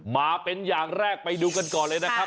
มาเป็นอย่างแรกไปดูกันก่อนเลยนะครับ